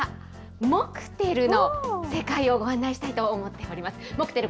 モクテルの世界をご案内したいと思っております。